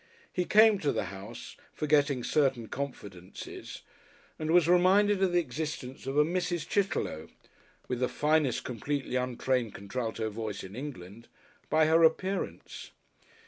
He came to the house, forgetting certain confidences, and was reminded of the existence of a Mrs. Chitterlow (with the finest completely untrained Contralto voice in England) by her appearance.